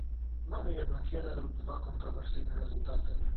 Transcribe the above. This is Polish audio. Mamy jednak jeden lub dwa kontrowersyjne rezultaty